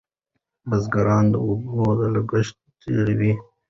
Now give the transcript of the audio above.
بزګران د اوبو له کمښت ځوریږي.